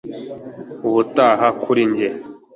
Ubutaha kuri njye